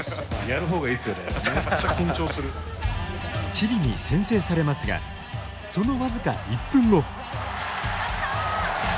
チリに先制されますがその僅か１分後。